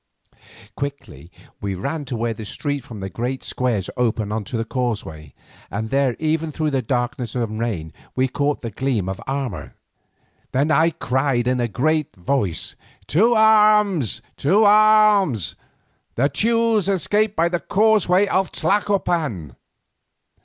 Quickly we ran to where the street from the great square opens on to the causeway, and there even through the darkness and rain we caught the gleam of armour. Then I cried aloud in a great voice, "To arms! To arms! The Teules escape by the causeway of Tlacopan."